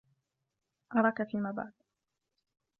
أراك في مابعد.